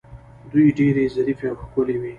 دوی ډیرې ظریفې او ښکلې وې